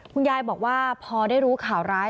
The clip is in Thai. คุณยายบอกว่าพอได้รู้ข่าวร้าย